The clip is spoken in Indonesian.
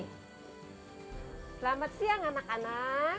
selamat siang anak anak